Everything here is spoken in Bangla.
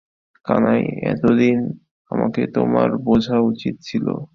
কানাই, এতদিন আমাকে তোমার বোঝা উচিত ছিল।